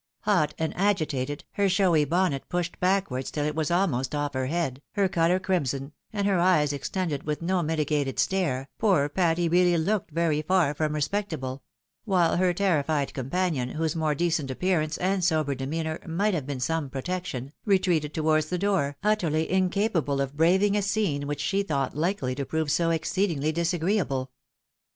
Hot and agitated, her showy bonnet pushed back wards tUl it was almost off her head, her colour crimson, and her eyes extended with no mitigated stare, poor Patty really looked very far from respectable ; while her terrified companion, whose more decent appearance and sober demeanour might have been Bome protection, retreated towards the door, utterly incapable 230 THE WIDOW MARRIED. of braving a scene which she thought likely to prove so exceed ingly disagreeable.